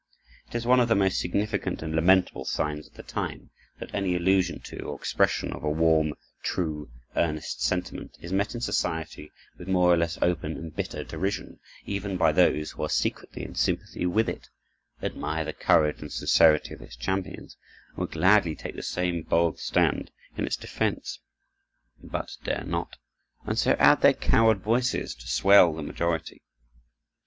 It is one of the most significant and lamentable signs of the time, that any allusion to or expression of a warm, true, earnest sentiment is met in society with more or less open and bitter derision, even by those who are secretly in sympathy with it, admire the courage and sincerity of its champion, and would gladly take the same bold stand in its defense, but dare not, and so add their coward voices to swell the majority.